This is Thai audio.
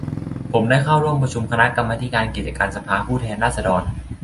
ผมได้เข้าร่วมประชุมคณะกรรมาธิการกิจการสภาผู้แทนราษฎร